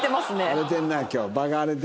荒れてるな今日。